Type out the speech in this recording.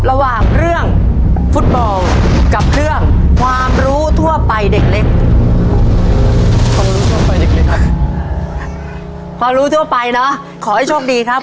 ปารุ่นทั่วไปเด็กเล็กครับ